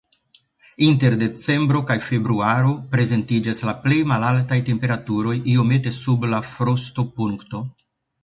Inter decembro kaj februaro prezentiĝas la plej malaltaj temperaturoj, iomete sub la frostopunkto.